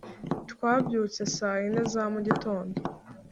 twabyutse saa yine za mugitondo